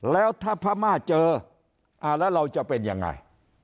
แล้วถ้าพม่าเจอแล้วเราจะเป็นยังไง